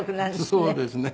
そうですね。